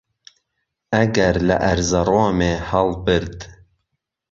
ئهگهر له ئەرزهڕۆمێ ههڵ برد